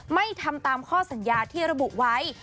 ไม่ทำตามข้อสัญญาที่ระบุไว้